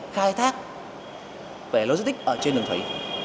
khai thác về logistics ở trên đường thủy